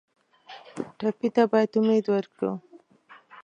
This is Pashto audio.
ټپي ته باید امید ورکړو.